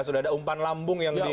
sudah ada umpan lambung yang di